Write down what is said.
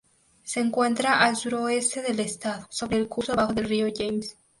Se encuentra al suroeste del estado, sobre el curso bajo del río James.